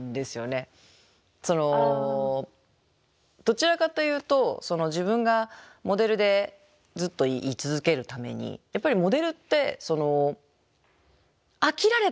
そのどちらかというと自分がモデルでずっと居続けるためにやっぱりモデルって飽きられたら終わりなんですよね。